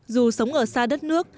dù sống ở xa đất nước